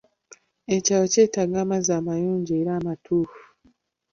Ekyalo kyetaaga amazzi amayonjo era amateefu.